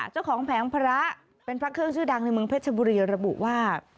แผงพระเป็นพระเครื่องชื่อดังในเมืองเพชรบุรีระบุว่า